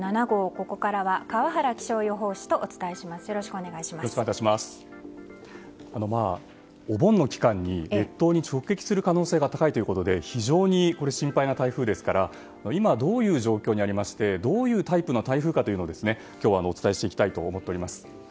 ここからは川原気象予報士とお盆の期間に列島に直撃する可能性が高いということで非常に心配な台風ですから今どういう状況にありましてどういうタイプの台風かお伝えしていきたいと思います。